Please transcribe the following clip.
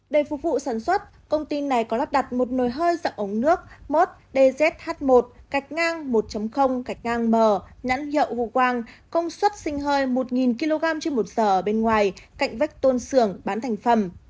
để phục vụ sản xuất công ty này có lắp đặt một nồi hơi dặm ống nước mốt dzh một cạch ngang một cạch ngang m nhãn hiệu vụ quang công suất sinh hơi một kg trên một giờ ở bên ngoài cạnh vách tôn xưởng bán thành phẩm